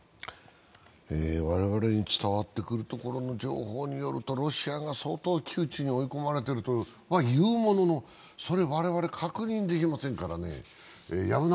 我々に伝わってくるところの情報によると、ロシアが相当、窮地に追い込まれているとは言うもののそれ我々確認できませんからね。